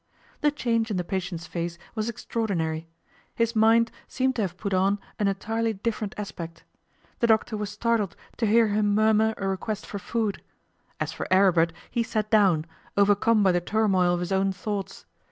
The change in the patient's face was extraordinary. His mind seemed to have put on an entirely different aspect. The doctor was startled to hear him murmur a request for food. As for Aribert, he sat down, overcome by the turmoil of his own thoughts.